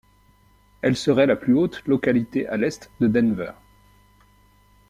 Elle serait la plus haute localité à l'est de Denver.